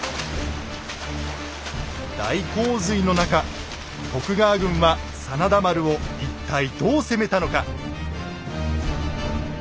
大洪水の中徳川軍は真田丸を一体どう攻めたのか。